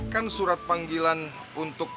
kan surat panggilan untuk